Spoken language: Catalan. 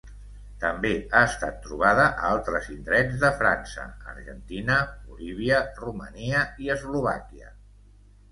També ha estat trobada a altres indrets de França, Argentina, Bolívia, Romania i Eslovàquia.